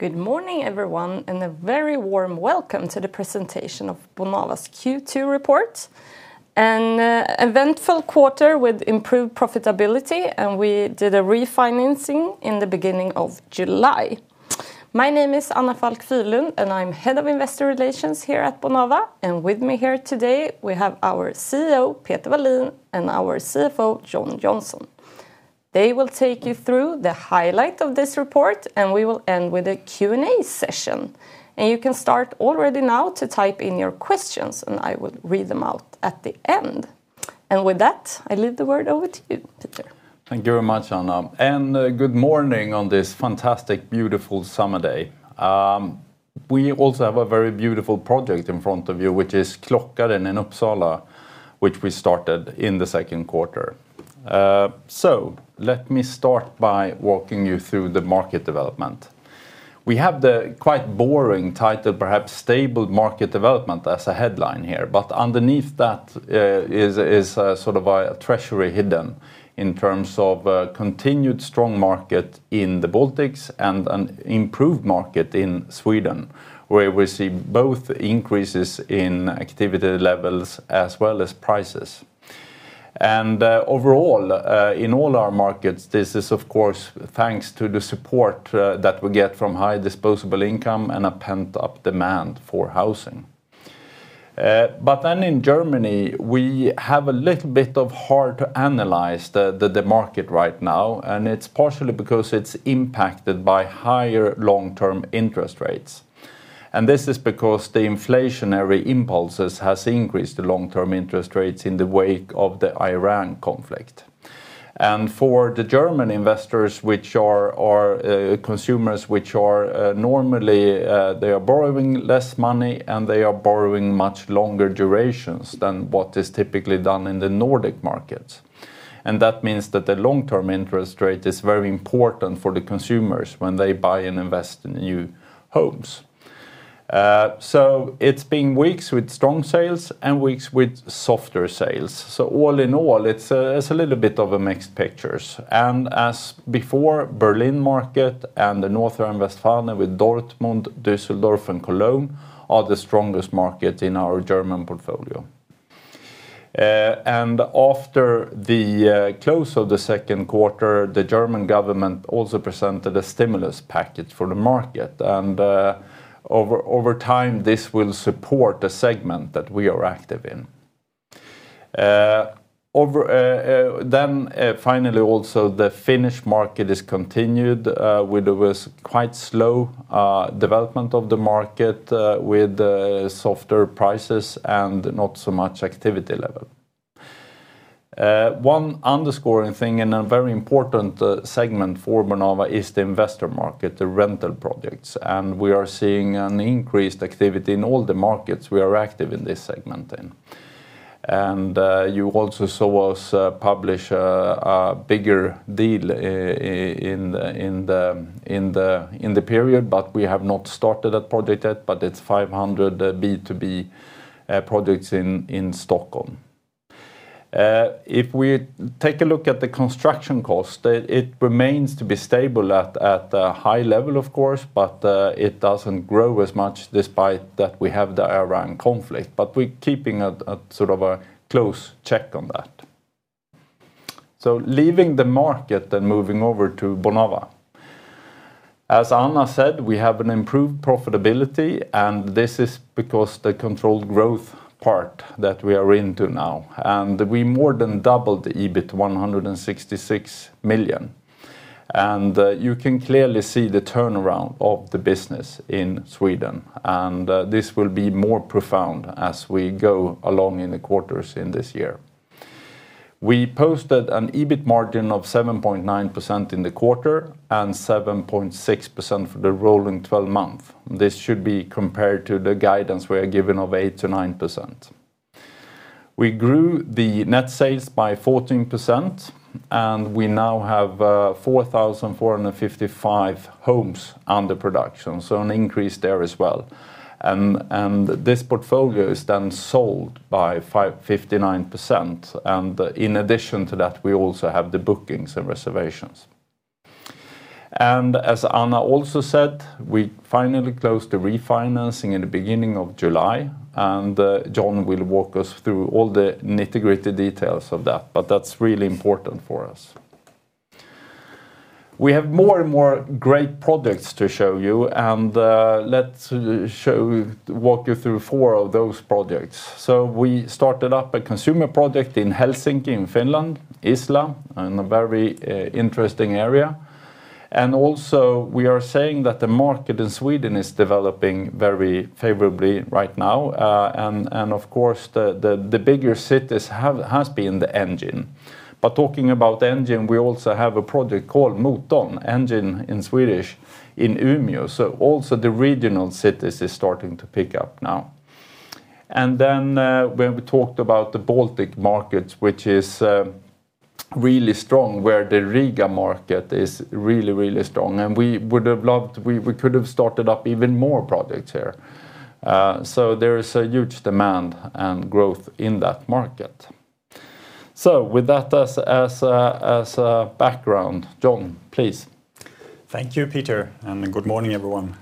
Good morning, everyone, and a very warm welcome to the presentation of Bonava's Q2 report. An eventful quarter with improved profitability, and we did a refinancing in the beginning of July. My name is Anna Falck Fyhrlund, and I'm Head of Investor Relations here at Bonava. With me here today, we have our CEO, Peter Wallin, and our CFO, Jon Johnsson. They will take you through the highlight of this report, and we will end with a Q&A session. You can start already now to type in your questions, and I will read them out at the end. With that, I leave the word over to you, Peter. Thank you very much, Anna. Good morning on this fantastic, beautiful summer day. We also have a very beautiful project in front of you, which is Klockaren in Uppsala, which we started in the second quarter. Let me start by walking you through the market development. We have the quite boring title, perhaps stable market development as a headline here. But underneath that is a treasure hidden in terms of a continued strong market in the Baltics and an improved market in Sweden, where we see both increases in activity levels as well as prices. Overall, in all our markets, this is of course, thanks to the support that we get from high disposable income and a pent-up demand for housing. In Germany, we have a little bit of hard to analyze the market right now, and it's partially because it's impacted by higher long-term interest rates. This is because the inflationary impulses has increased the long-term interest rates in the wake of the Iran conflict. For the German investors, which are our consumers, which are normally they are borrowing less money, and they are borrowing much longer durations than what is typically done in the Nordic markets. That means that the long-term interest rate is very important for the consumers when they buy and invest in new homes. So it's been weeks with strong sales and weeks with softer sales. So all in all, it's a little bit of a mixed picture. As before, Berlin market and the North Rhine-Westphalia with Dortmund, Düsseldorf, and Cologne are the strongest market in our German portfolio. After the close of the second quarter, the German government also presented a stimulus package for the market. Over time, this will support the segment that we are active in. Finally, also the Finnish market is continued, with quite slow development of the market, with softer prices and not so much activity level. One underscoring thing in a very important segment for Bonava is the investor market, the rental projects, and we are seeing an increased activity in all the markets we are active in this segment in. You also saw us publish a bigger deal in the period, but we have not started that project yet, but it's 500 B2B projects in Stockholm. If we take a look at the construction cost, it remains to be stable at a high level, of course, it doesn't grow as much despite that we have the Iran conflict. We are keeping a close check on that. Leaving the market and moving over to Bonava. As Anna said, we have an improved profitability, this is because the controlled growth part that we are into now. We more than doubled the EBIT to 166 million. You can clearly see the turnaround of the business in Sweden. This will be more profound as we go along in the quarters in this year. We posted an EBIT margin of 7.9% in the quarter and 7.6% for the rolling 12 months. This should be compared to the guidance we are given of 8%-9%. We grew the net sales by 14%, we now have 4,455 homes under production, an increase there as well. This portfolio is sold by 59%. In addition to that, we also have the bookings and reservations. As Anna also said, we finally closed the refinancing in the beginning of July, and Jon will walk us through all the nitty-gritty details of that. That is really important for us. We have more and more great projects to show you, let us walk you through four of those projects. We started up a consumer project in Helsinki, in Finland, Isla, in a very interesting area. Also we are saying that the market in Sweden is developing very favorably right now. Of course, the bigger cities have been the engine. Talking about the engine, we also have a project called Motorn, engine in Swedish, in Umeå. Also the regional cities are starting to pick up now. When we talked about the Baltic market, which is really strong, where the Riga market is really, really strong. We could have started up even more projects here. There is a huge demand and growth in that market. With that as a background, Jon, please. Thank you, Peter, good morning, everyone.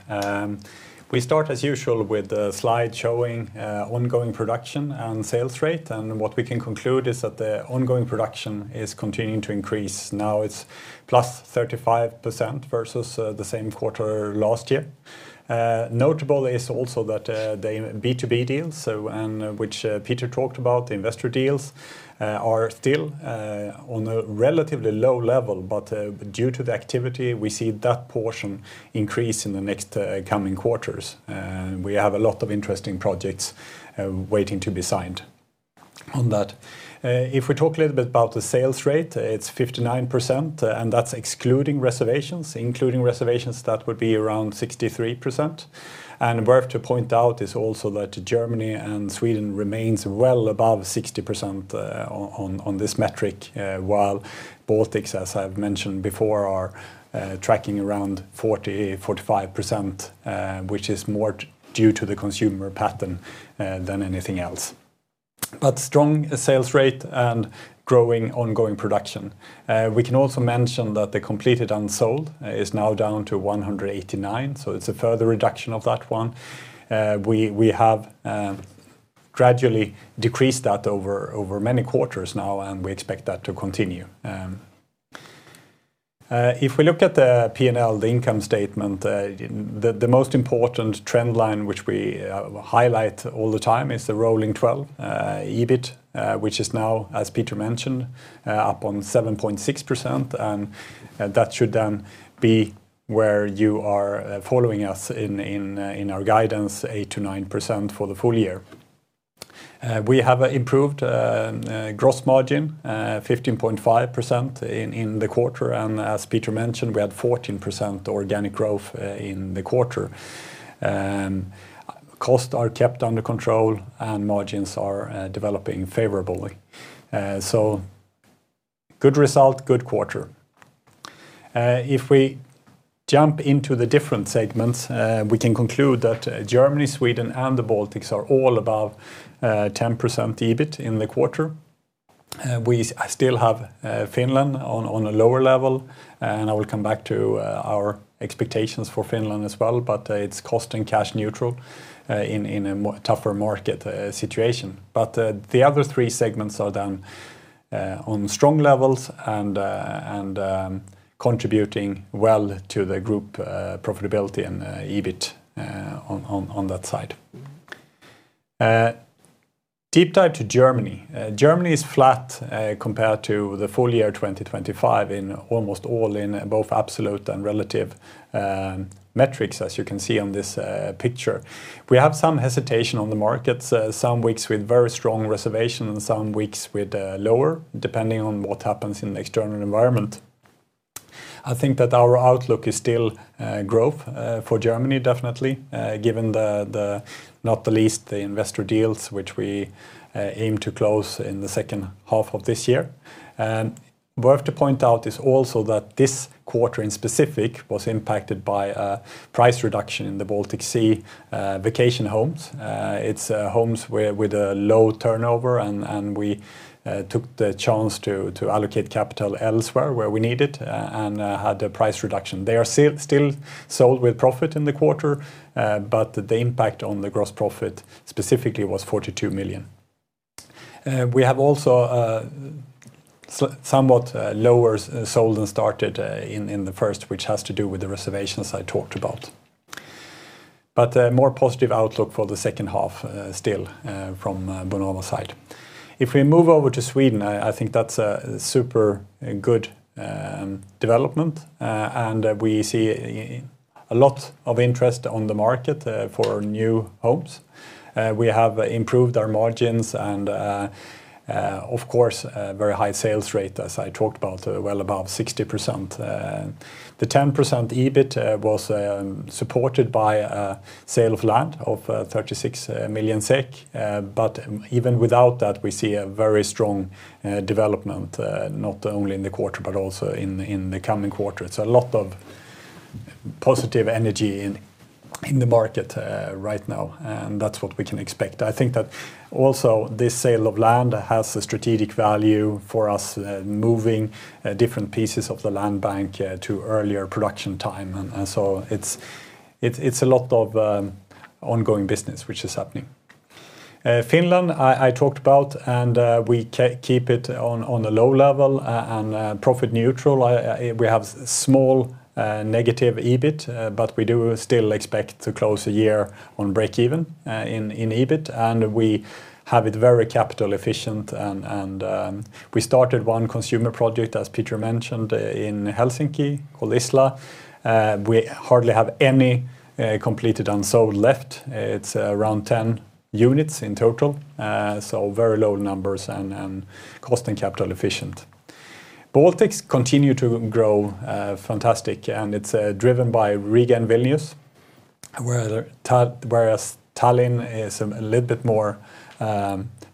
We start as usual with a slide showing ongoing production and sales rate. What we can conclude is that the ongoing production is continuing to increase. Now it is +35% versus the same quarter last year. Notable is also that the B2B deals, which Peter talked about, the investor deals, are still on a relatively low level, due to the activity, we see that portion increase in the next coming quarters. We have a lot of interesting projects waiting to be signed on that. If we talk a little bit about the sales rate, it is 59%, that is excluding reservations. Including reservations, that would be around 63%. Worth to point out is also that Germany and Sweden remain well above 60% on this metric, while Baltics, as I've mentioned before, are tracking around 40%-45%, which is more due to the consumer pattern than anything else. Strong sales rate and growing ongoing production. We can also mention that the completed unsold is now down to 189, so it's a further reduction of that one. We have gradually decreased that over many quarters now, and we expect that to continue. If we look at the P&L, the income statement the most important trend line, which we highlight all the time is the rolling 12 EBIT which is now, as Peter mentioned, up on 7.6%. That should then be where you are following us in our guidance, 8%-9% for the full-year. We have improved gross margin, 15.5% in the quarter. As Peter mentioned, we had 14% organic growth in the quarter. Costs are kept under control and margins are developing favorably. Good result, good quarter. If we jump into the different segments, we can conclude that Germany, Sweden, and the Baltics are all above 10% EBIT in the quarter. We still have Finland on a lower level, and I will come back to our expectations for Finland as well. It's cost and cash neutral in a tougher market situation. The other three segments are then on strong levels and contributing well to the group profitability and EBIT on that side. Deep dive to Germany. Germany is flat compared to the full-year 2025 in almost all in both absolute and relative metrics, as you can see on this picture. We have some hesitation on the markets, some weeks with very strong reservation and some weeks with lower, depending on what happens in the external environment. I think that our outlook is still growth for Germany definitely, given not the least, the investor deals which we aim to close in the second half of this year. Worth to point out is also that this quarter in specific was impacted by a price reduction in the Baltic Sea vacation homes. It's homes with a low turnover, and we took the chance to allocate capital elsewhere where we need it and had a price reduction. They are still sold with profit in the quarter. The impact on the gross profit specifically was 42 million. We have also somewhat lower sold than started in the first, which has to do with the reservations I talked about. A more positive outlook for the second half still from Bonava side. If we move over to Sweden, I think that's a super good development. We see a lot of interest on the market for new homes. We have improved our margins and of course, very high sales rate as I talked about, well above 60%. The 10% EBIT was supported by a sale of land of 36 million SEK. Even without that, we see a very strong development, not only in the quarter, but also in the coming quarter. It's a lot of positive energy in the market right now, and that's what we can expect. I think that also this sale of land has a strategic value for us, moving different pieces of the land bank to earlier production time. It's a lot of ongoing business which is happening. Finland, I talked about, and we keep it on a low level and profit neutral. We have small negative EBIT but we do still expect to close a year on breakeven in EBIT, and we have it very capital efficient. We started one consumer project, as Peter mentioned, in Helsinki called Isla. We hardly have any completed unsold left. It's around 10 units in total. Very low numbers and cost and capital efficient. Baltics continue to grow fantastic, and it's driven by Riga and Vilnius. Whereas Tallinn is a little bit more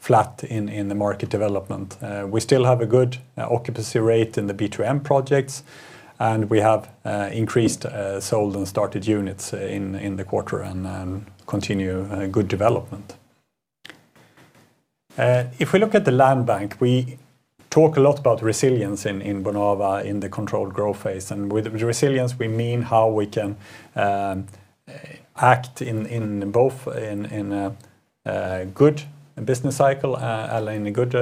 flat in the market development. We still have a good occupancy rate in the B2M projects, and we have increased sold and started units in the quarter and continue good development If we look at the land bank, we talk a lot about resilience in Bonava in the controlled growth phase. With resilience, we mean how we can act in both in a good business cycle and in a good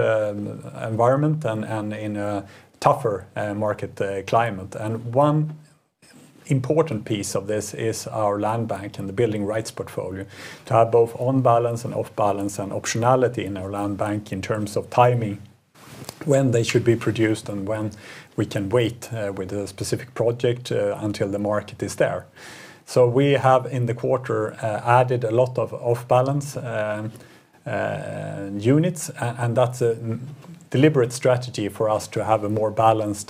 environment and in a tougher market climate. One important piece of this is our land bank and the building rights portfolio to have both on-balance and off-balance and optionality in our land bank in terms of timing, when they should be produced, and when we can wait with a specific project until the market is there. We have in the quarter added a lot of off-balance units, and that's a deliberate strategy for us to have a more balanced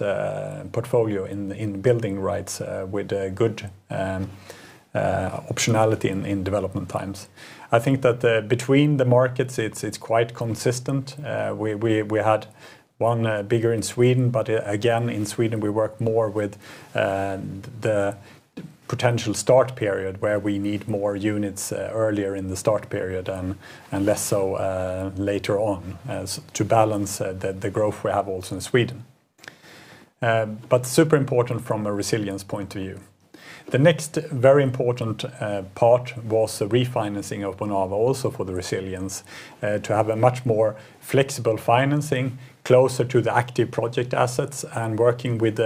portfolio in building rights with good optionality in development times. I think that between the markets it's quite consistent. We had one bigger in Sweden, but again, in Sweden we work more with the potential start period where we need more units earlier in the start period and less so later on to balance the growth we have also in Sweden. Super important from a resilience point of view. The next very important part was the refinancing of Bonava also for the resilience to have a much more flexible financing closer to the active project assets and working with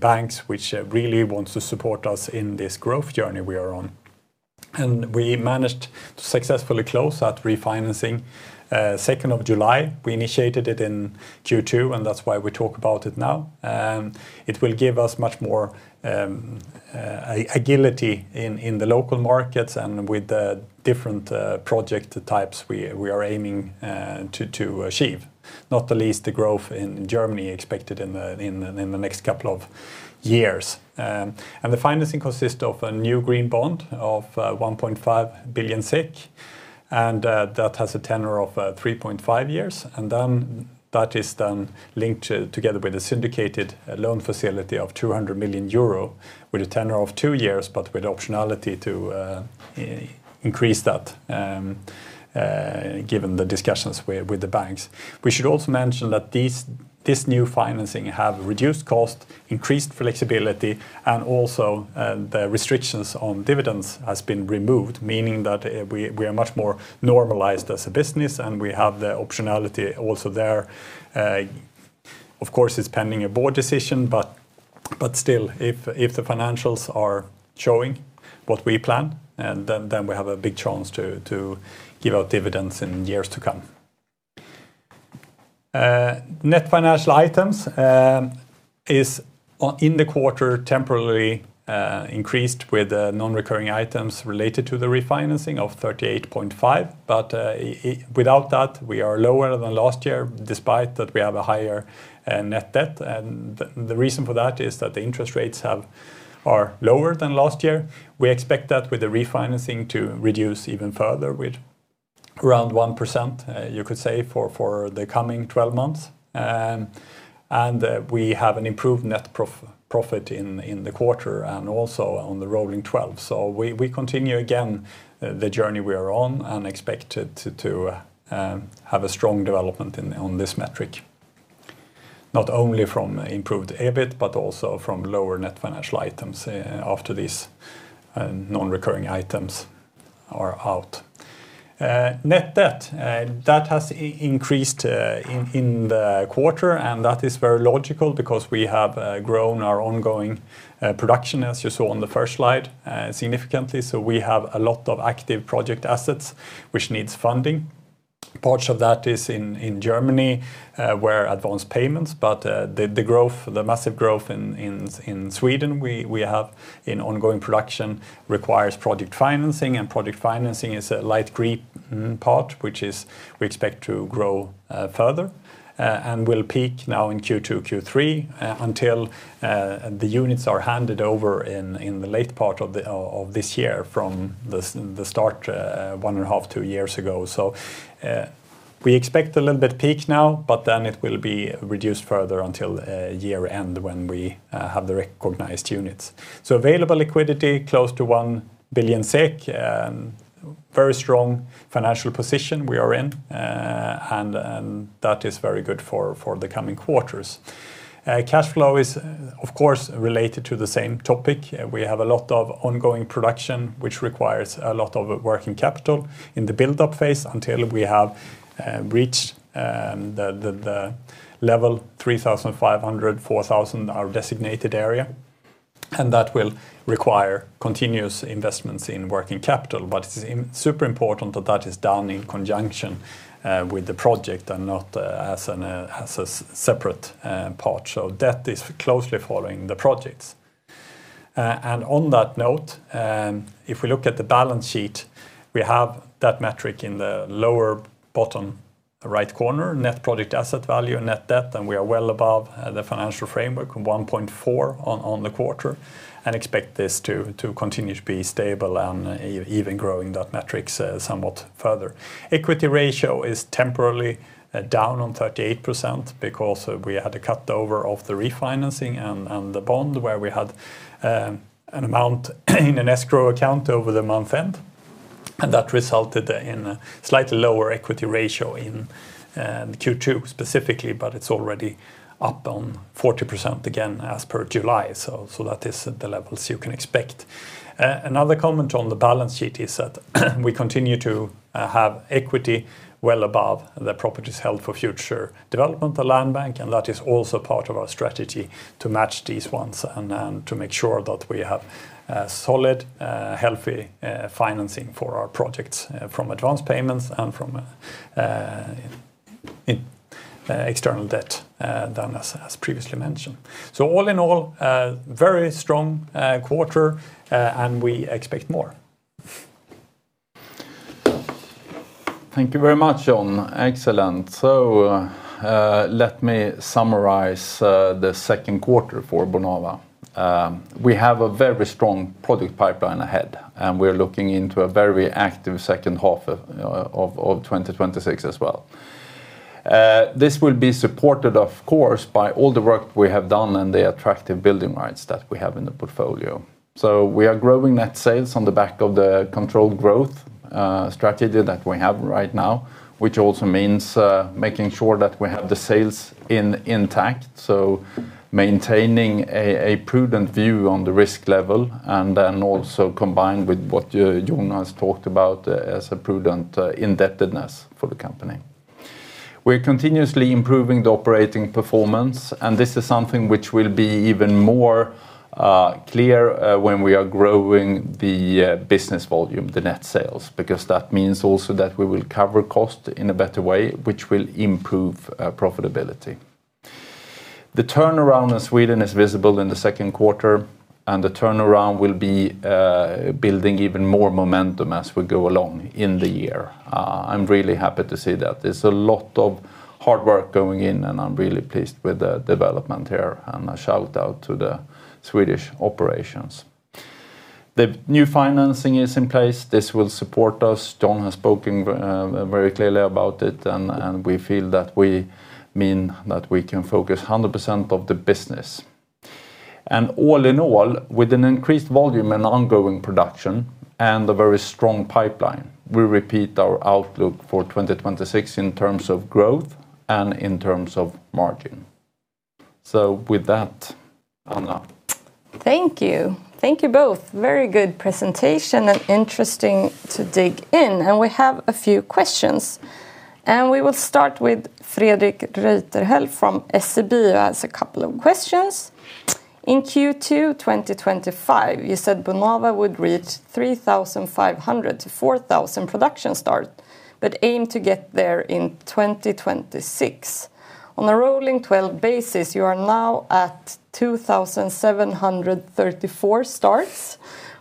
banks, which really want to support us in this growth journey we are on. We managed to successfully close that refinancing 2nd of July. We initiated it in Q2, and that's why we talk about it now. It will give us much more agility in the local markets and with the different project types we are aiming to achieve, not the least, the growth in Germany expected in the next couple of years. The financing consists of a new green bond of 1.5 billion SEK, and that has a tenor of 3.5 years. That is then linked together with a syndicated loan facility of 200 million euro with a tenor of two years, but with optionality to increase that, given the discussions with the banks. We should also mention that this new financing have reduced cost, increased flexibility, and also the restrictions on dividends has been removed, meaning that we are much more normalized as a business, and we have the optionality also there. Of course, it's pending a board decision, but still, if the financials are showing what we plan, then we have a big chance to give out dividends in years to come. Net financial items is in the quarter temporarily increased with non-recurring items related to the refinancing of 38.5 million. Without that, we are lower than last year despite that we have a higher net debt. The reason for that is that the interest rates are lower than last year. We expect that with the refinancing to reduce even further with around 1%, you could say, for the coming 12 months. We have an improved net profit in the quarter and also on the rolling 12. We continue again the journey we are on and expect to have a strong development on this metric, not only from improved EBIT but also from lower net financial items after these non-recurring items are out. Net debt, that has increased in the quarter, and that is very logical because we have grown our ongoing production, as you saw on the first slide, significantly. We have a lot of active project assets which needs funding. Parts of that is in Germany, where advanced payments, but the massive growth in Sweden we have in ongoing production requires project financing, and project financing is a light green part, which we expect to grow further. Will peak now in Q2, Q3, until the units are handed over in the late part of this year from the start one and a half, two years ago. We expect a little bit peak now, it will be reduced further until year-end when we have the recognized units. Available liquidity close to 1 billion SEK. Very strong financial position we are in, and that is very good for the coming quarters. Cash flow is, of course, related to the same topic. We have a lot of ongoing production, which requires a lot of working capital in the buildup phase until we have reached the level 3,500, 4,000, our designated area, and that will require continuous investments in working capital. It is super important that that is done in conjunction with the project and not as a separate part. Debt is closely following the projects. On that note, if we look at the balance sheet, we have that metric in the lower bottom right corner, net project asset value, net debt, and we are well above the financial framework, 1.4 on the quarter, and expect this to continue to be stable and even growing that metric somewhat further. Equity ratio is temporarily down on 38% because we had a cut over of the refinancing and the bond where we had an amount in an escrow account over the month end. That resulted in a slightly lower equity ratio in Q2 specifically, but it's already up on 40% again as per July. That is the levels you can expect. Another comment on the balance sheet is that we continue to have equity well above the properties held for future development, the land bank, and that is also part of our strategy to match these ones and to make sure that we have solid, healthy financing for our projects from advance payments and from external debt than as previously mentioned. All in all, a very strong quarter, and we expect more. Thank you very much, Jon. Excellent. Let me summarize the second quarter for Bonava. We have a very strong product pipeline ahead, and we're looking into a very active second half of 2026 as well. This will be supported, of course, by all the work we have done and the attractive building rights that we have in the portfolio. We are growing net sales on the back of the controlled growth strategy that we have right now, which also means making sure that we have the sales intact. Maintaining a prudent view on the risk level and then also combined with what Jon has talked about as a prudent indebtedness for the company. We're continuously improving the operating performance, and this is something which will be even more clear when we are growing the business volume, the net sales, because that means also that we will cover cost in a better way, which will improve profitability. The turnaround in Sweden is visible in the second quarter, and the turnaround will be building even more momentum as we go along in the year. I'm really happy to see that. There's a lot of hard work going in, and I'm really pleased with the development here. A shout-out to the Swedish operations. The new financing is in place. This will support us. Jon has spoken very clearly about it, and we feel that we mean that we can focus 100% of the business. All in all, with an increased volume and ongoing production and a very strong pipeline, we repeat our outlook for 2026 in terms of growth and in terms of margin. With that, Anna? Thank you. Thank you both. Very good presentation and interesting to dig in. We have a few questions. We will start with Fredrik Reuterhäll from SEB who has a couple of questions. In Q2 2025, you said Bonava would reach 3,500-4,000 production start, but aim to get there in 2026. On a rolling 12 basis, you are now at 2,734 starts.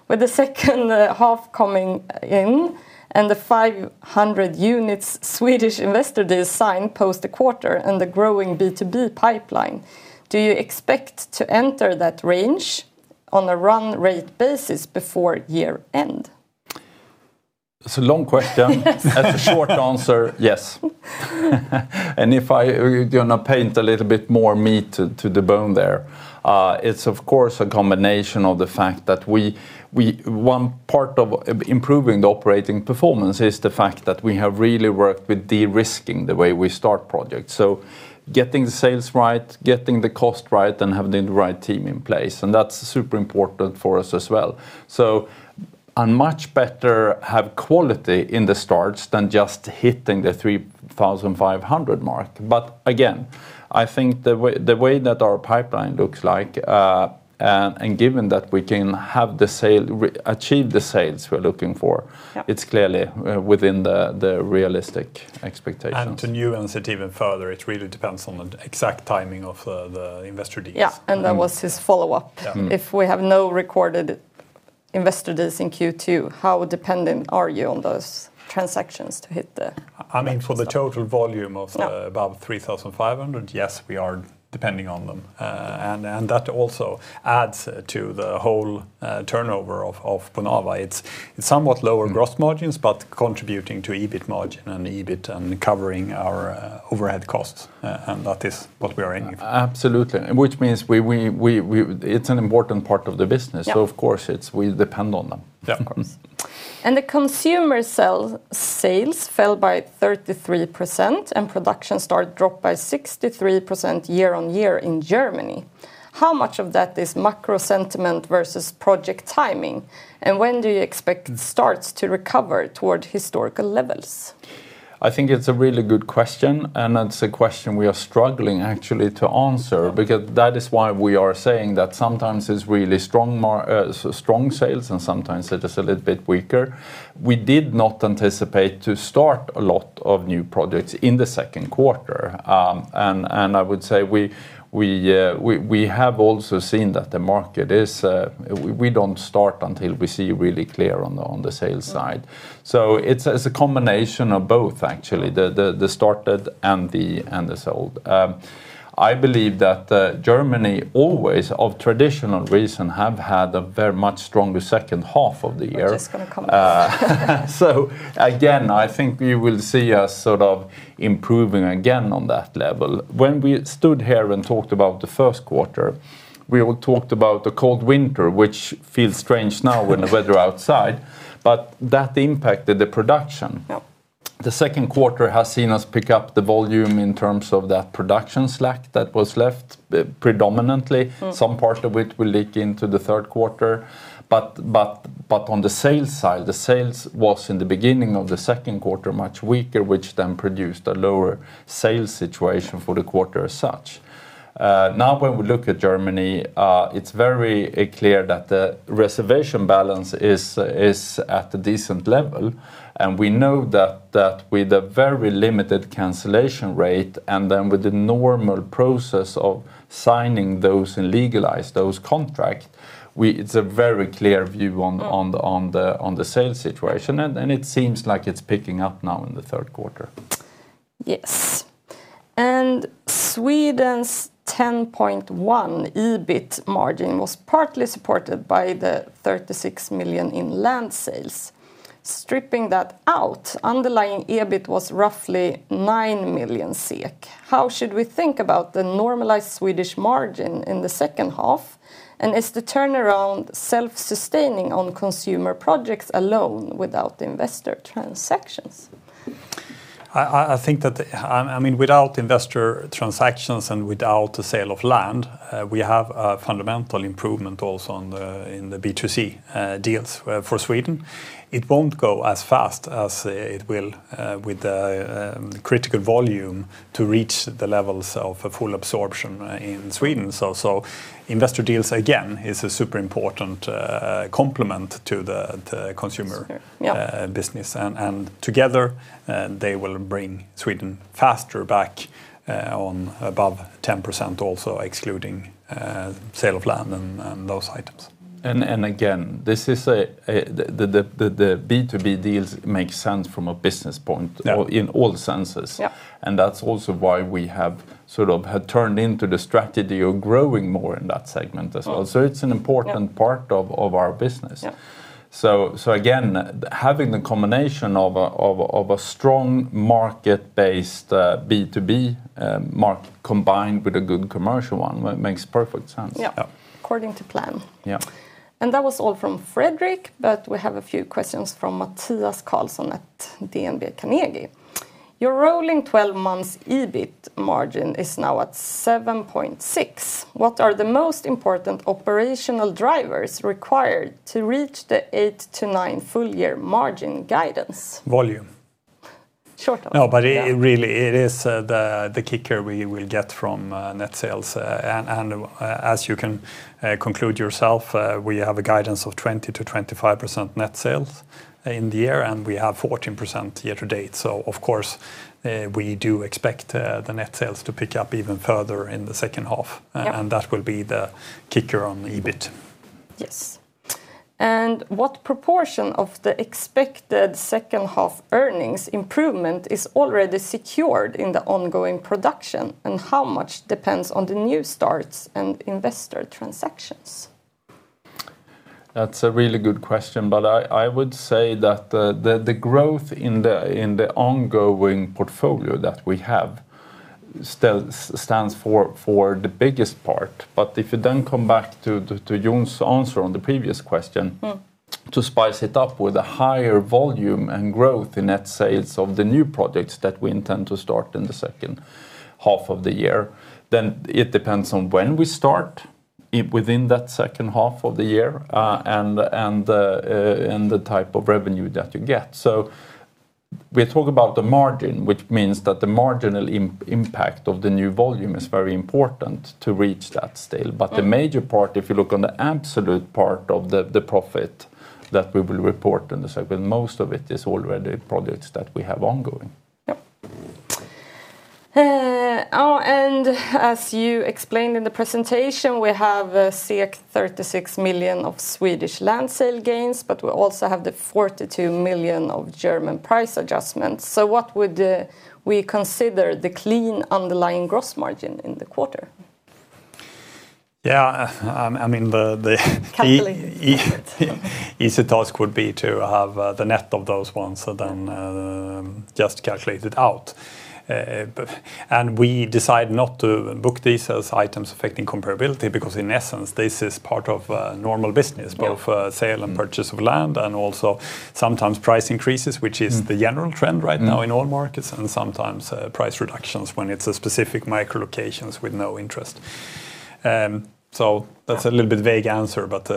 With the second half coming in and the 500 units Swedish investor deals signed post a quarter and the growing B2B pipeline, do you expect to enter that range on a run rate basis before year-end? It's a long question. As a short answer, yes. If I, going to paint a little bit more meat to the bone there, it's of course a combination of the fact that one part of improving the operating performance is the fact that we have really worked with de-risking the way we start projects. Getting the sales right, getting the cost right, and having the right team in place, and that's super important for us as well. Much better have quality in the starts than just hitting the 3,500 mark. Again, I think the way that our pipeline looks like, and given that we can achieve the sales we're looking for- Yeah it's clearly within the realistic expectations. To nuance it even further, it really depends on the exact timing of the investor deals. Yeah. That was his follow-up. Yeah. If we have no recorded investor deals in Q2, how dependent are you on those transactions to hit? For the total volume. No above 3,500? Yes, we are depending on them. That also adds to the whole turnover of Bonava. It's somewhat lower gross margins, but contributing to EBIT margin and EBIT and covering our overhead costs, and that is what we are aiming for. Absolutely. Which means it's an important part of the business. Yeah. Of course, we depend on them. Yeah. Of course. The consumer sales fell by 33%, and production start dropped by 63% year-on-year in Germany. How much of that is macro sentiment versus project timing? When do you expect starts to recover toward historical levels? I think it's a really good question. That's a question we are struggling actually to answer, because that is why we are saying that sometimes it's really strong sales, and sometimes it is a little bit weaker. We did not anticipate to start a lot of new projects in the second quarter. I would say we have also seen that we don't start until we see really clear on the sales side. Yeah. It's a combination of both, actually. The started and the sold. I believe that Germany always, of traditional reason, have had a very much stronger second half of the year. I was just going to comment. Again, I think you will see us sort of improving again on that level. When we stood here and talked about the first quarter, we all talked about the cold winter, which feels strange now with the weather outside, but that impacted the production. Yeah. The second quarter has seen us pick up the volume in terms of that production slack that was left predominantly. Some part of it will leak into the third quarter. On the sales side, the sales was in the beginning of the second quarter much weaker, which then produced a lower sales situation for the quarter as such. When we look at Germany, it's very clear that the reservation balance is at a decent level, we know that with a very limited cancellation rate, with the normal process of signing those and legalize those contract, it's a very clear view on the sales situation, it seems like it's picking up now in the third quarter. Yes. Sweden's 10.1% EBIT margin was partly supported by the 36 million in land sales. Stripping that out, underlying EBIT was roughly 9 million SEK. How should we think about the normalized Swedish margin in the second half? Is the turnaround self-sustaining on consumer projects alone without investor transactions? I think that without investor transactions and without the sale of land, we have a fundamental improvement also in the B2C deals for Sweden. It won't go as fast as it will with the critical volume to reach the levels of a full absorption in Sweden. Investor deals, again, is a super important complement to the consumer- Yeah business. Together, they will bring Sweden faster back on above 10%, also excluding sale of land and those items. Again, the B2B deals make sense from a business point- Yeah in all senses. Yeah. That's also why we have sort of had turned into the strategy of growing more in that segment as well. It's an important part of our business. Yeah. Again, having the combination of a strong market based B2B market, combined with a good commercial one, makes perfect sense. Yeah. Yeah. According to plan. Yeah. That was all from Fredrik, but we have a few questions from Mathias Carlson at DNB Carnegie. Your rolling 12 months EBIT margin is now at 7.6%. What are the most important operational drivers required to reach the 8%-9% full year margin guidance? Volume. Short. No, really, it is the kicker we will get from net sales. As you can conclude yourself, we have a guidance of 20%-25% net sales in the year, and we have 14% year-to-date. Of course, we do expect the net sales to pick up even further in the second half. Yeah. That will be the kicker on the EBIT. What proportion of the expected second half earnings improvement is already secured in the ongoing production? How much depends on the new starts and investor transactions? That's a really good question. I would say that the growth in the ongoing portfolio that we have stands for the biggest part. If you then come back to Jon's answer on the previous question, to spice it up with a higher volume and growth in net sales of the new projects that we intend to start in the second half of the year, then it depends on when we start within that second half of the year, and the type of revenue that you get. We talk about the margin, which means that the marginal impact of the new volume is very important to reach that still. The major part, if you look on the absolute part of the profit that we will report in the second, most of it is already projects that we have ongoing. Yeah. As you explained in the presentation, we have a 36 million of Swedish land sale gains, but we also have the 42 million of German price adjustments. What would we consider the clean underlying gross margin in the quarter? Yeah. The easy task would be to have the net of those ones, then just calculate it out. We decide not to book these as items affecting comparability, because in essence, this is part of a normal business- Yeah Both sale and purchase of land and also sometimes price increases, which is the general trend right now in all markets, and sometimes price reductions when it's a specific micro locations with no interest. That's a little bit vague answer, but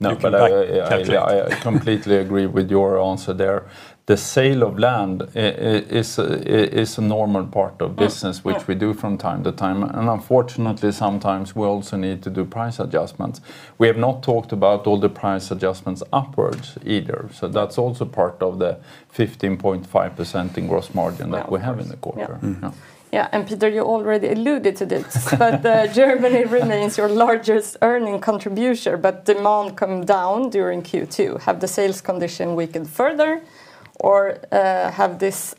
you can calculate. I completely agree with your answer there. The sale of land is a normal part of business, which we do from time to time, and unfortunately, sometimes we also need to do price adjustments. We have not talked about all the price adjustments upwards either. That's also part of the 15.5% in gross margin that we have in the quarter. Peter, you already alluded to this. Germany remains your largest earning contribution, but demand come down during Q2. Have the sales condition weakened further? Have this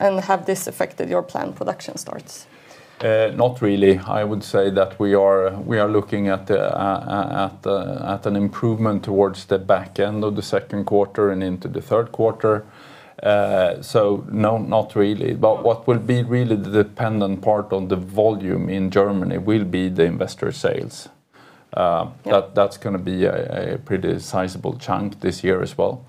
affected your planned production starts? Not really. I would say that we are looking at an improvement towards the back end of the second quarter and into the third quarter. No, not really, but what will be really the dependent part on the volume in Germany will be the investor sales. That's going to be a pretty sizable chunk this year as well.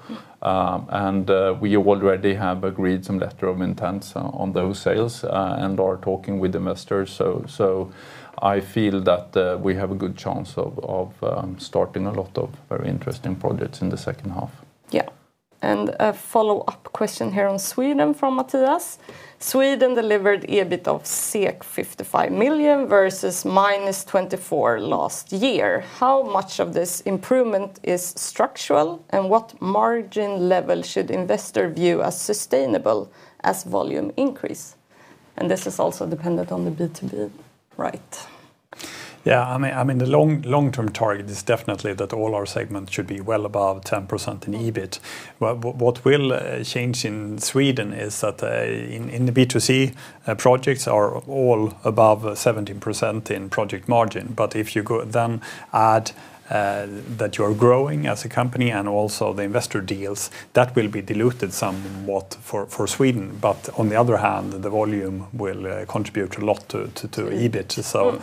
We already have agreed some letters of intent on those sales, and are talking with investors. I feel that we have a good chance of starting a lot of very interesting projects in the second half. Yeah. A follow-up question here on Sweden from Mathias. Sweden delivered EBIT of 55 million versus -24 million last year. How much of this improvement is structural, and what margin level should investor view as sustainable as volume increase? This is also dependent on the B2B, right? Yeah, the long-term target is definitely that all our segments should be well above 10% in EBIT. What will change in Sweden is that in the B2C projects are all above 17% in project margin. If you add that you are growing as a company and also the investor deals, that will be diluted somewhat for Sweden. On the other hand, the volume will contribute a lot to EBIT.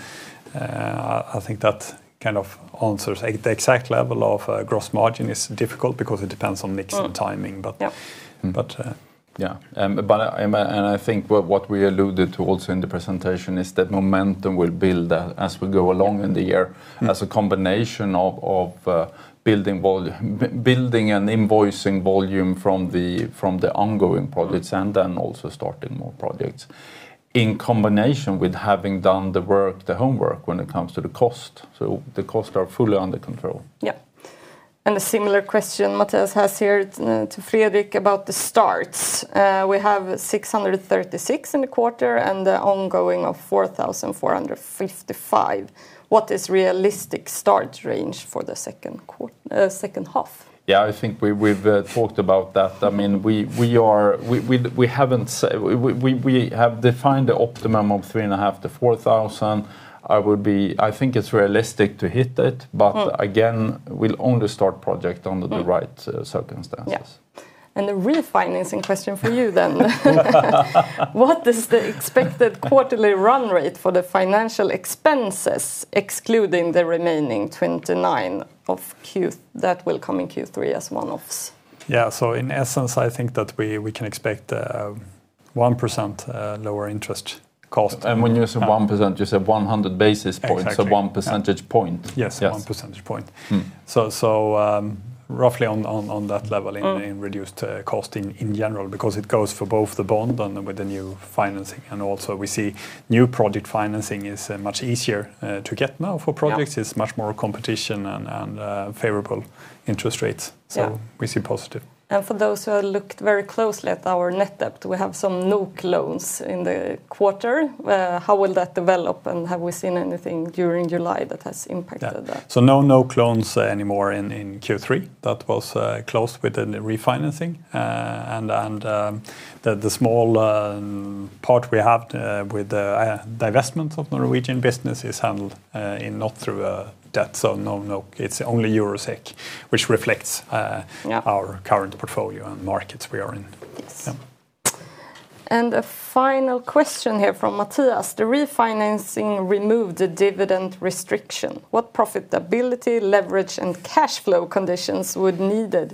I think that kind of answers. The exact level of gross margin is difficult because it depends on mix and timing. Yeah. Yeah. I think what we alluded to also in the presentation is that momentum will build as we go along in the year as a combination of building an invoicing volume from the ongoing projects, and also starting more projects. In combination with having done the homework when it comes to the cost. The costs are fully under control. Yeah. A similar question Mathias has here to Fredrik about the starts. We have 636 in the quarter and the ongoing of 4,455. What is realistic start range for the second half? I think we've talked about that. We have defined the optimum of 3,500-4,000. I think it's realistic to hit it, but again, we'll only start project under the right circumstances. The refinancing question for you then. What is the expected quarterly run rate for the financial expenses, excluding the remaining 29 million that will come in Q3 as one-offs? In essence, I think that we can expect 1% lower interest cost. When you say 1%, you say 100 basis points. Exactly. 1 percentage point. Yes. Yes. 1 percentage point. Roughly on that level in reduced cost in general, because it goes for both the bond and with the new financing. We see new project financing is much easier to get now for projects. Yeah. There's much more competition and favorable interest rates. Yeah. We see positive. For those who have looked very closely at our net debt, we have some NOK loans in the quarter. How will that develop, and have we seen anything during July that has impacted that? No NOK loans anymore in Q3. That was closed with the refinancing, and the small part we have with the divestment of the Norwegian business is handled not through debt. It's only Euro, SEK, which reflects- Yeah our current portfolio and markets we are in. Yes. Yeah. A final question here from Mathias. The refinancing removed the dividend restriction. What profitability, leverage, and cash flow conditions would need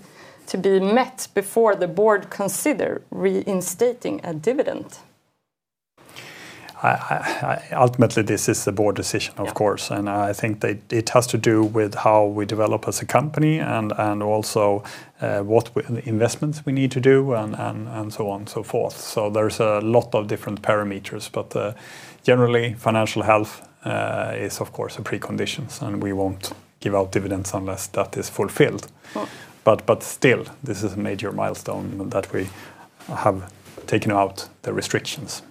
to be met before the board consider reinstating a dividend? Ultimately, this is a board decision of course. Yeah. I think that it has to do with how we develop as a company, and also what investments we need to do, and so on and so forth. There's a lot of different parameters. Generally, financial health is of course a precondition, and we won't give out dividends unless that is fulfilled. Well. Still, this is a major milestone that we have taken out the restrictions.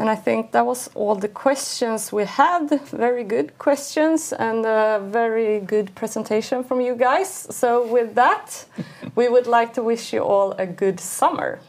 Yeah. I think that was all the questions we had. Very good questions and a very good presentation from you guys. With that, we would like to wish you all a good summer.